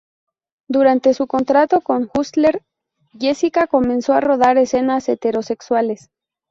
Durante su contrato con Hustler Jessica comenzó a rodar escenas heterosexuales.